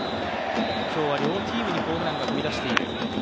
今日は両チームにホームランが飛び出している。